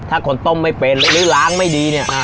ถ้าคนต้มไม่เป็นหรือล้างไม่ดีเนี่ย